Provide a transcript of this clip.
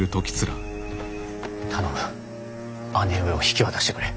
頼む姉上を引き渡してくれ。